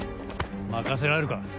任せられるか。